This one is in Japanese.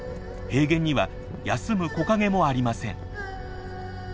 平原には休む木陰もありません。